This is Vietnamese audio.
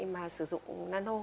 mà sử dụng nano